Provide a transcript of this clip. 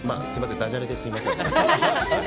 ダジャレで、すいません。